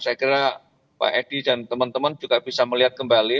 saya kira pak edi dan teman teman juga bisa melihat kembali